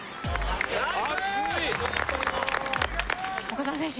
岡澤選手